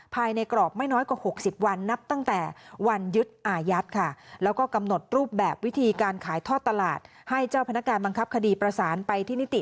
ภายในกรอบไม่น้อยกว่า๖๐วันนับตั้งแต่วันยึดอาญัติค่ะ